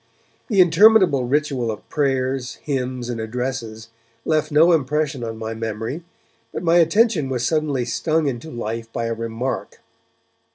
The interminable ritual of prayers, hymns and addresses left no impression on my memory, but my attention was suddenly stung into life by a remark.